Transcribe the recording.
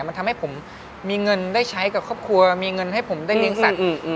มันทำให้ผมมีเงินได้ใช้กับครอบครัวมีเงินให้ผมได้เลี้ยงสัตว์